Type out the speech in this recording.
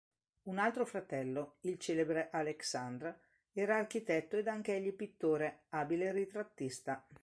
Un altro fratello, il celebre Aleksandr, era architetto ed anch'egli pittore, abile ritrattista.